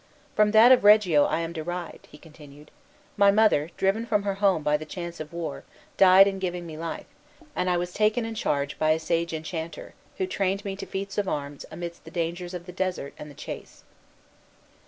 "From that of Reggio am I derived," he continued. "My mother, driven from her home by the chance of war, died in giving me life, and I was taken in charge by a sage enchanter, who trained me to feats of arms amidst the dangers of the desert and the chase."